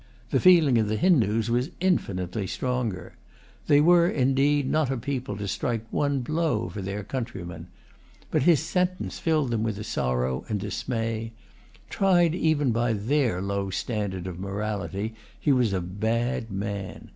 The feeling of the Hindoos was infinitely stronger. They were, indeed, not a people to strike one blow for their countryman. But his sentence filled them with sorrow and dismay. Tried even by their low standard of morality, he was a bad man.